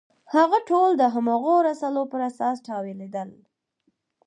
هغه ټول د هماغو رسالو پر اساس تاویلېدل.